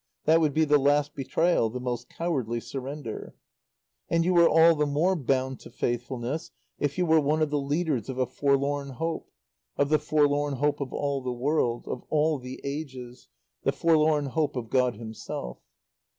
That would be the last betrayal, the most cowardly surrender. And you were all the more bound to faithfulness if you were one of the leaders of a forlorn hope, of the forlorn hope of all the world, of all the ages, the forlorn hope of God himself.